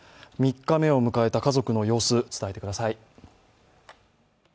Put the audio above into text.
３日目を迎えた家族の様子、伝えてください。